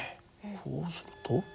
こうすると。